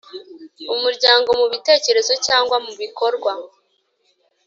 Umuryango mu bitekerezo cyangwa mu bikorwa